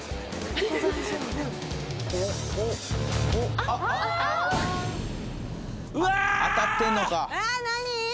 あっ何？